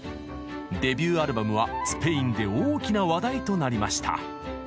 デビューアルバムはスペインで大きな話題となりました。